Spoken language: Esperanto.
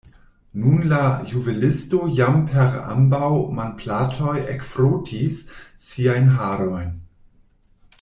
Nun la juvelisto jam per ambaŭ manplatoj ekfrotis siajn harojn.